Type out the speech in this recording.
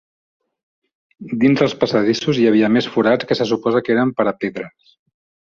Dins els passadissos hi havia més forats que se suposa que eren per a pedres.